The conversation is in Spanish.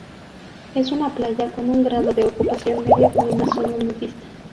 Es una playa con un grado de ocupación medio y con una zona nudista.